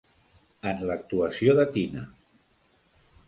En l'actuació de Tina!